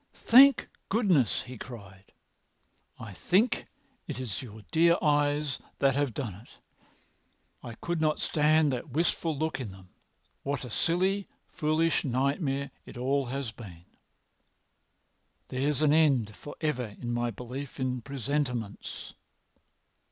"Thank goodness!" he cried. "I think it is your dear eyes that have done it. I could not stand that wistful look in them. What a silly, foolish nightmare it all has been! There's an end for ever in my belief in presentiments.